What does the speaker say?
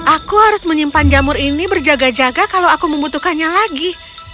aku harus menyimpan jamur ini berjaga jaga kalau aku membutuhkannya lagi